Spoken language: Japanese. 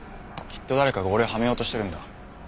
きっと誰かが俺をはめようとしてるんだ。